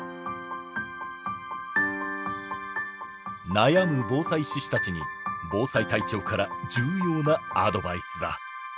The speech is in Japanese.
悩む防災志士たちに防災隊長から重要なアドバイスだ。